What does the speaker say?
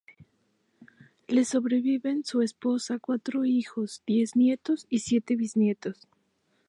Le sobreviven su esposa, cuatro hijos, diez nietos y siete bisnietos.